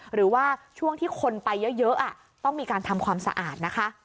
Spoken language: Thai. หรือว่าช่วงที่คนไปเยอะต้องมีการทำความสะอาดนะคะ